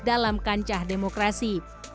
dalam kancah demokrasi